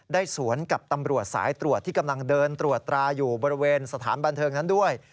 สวนกับตำรวจสายตรวจที่กำลังเดินตรวจตราอยู่บริเวณสถานบันเทิงนั้นด้วย